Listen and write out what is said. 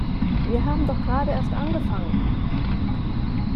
Wir haben doch gerade erst angefangen!